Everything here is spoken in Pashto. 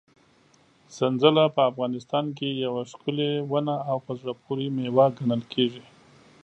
سنځله په افغانستان کې یوه ښکلې ونه او په زړه پورې مېوه ګڼل کېږي.